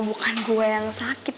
bukan gue yang sakit